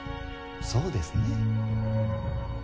そうですね。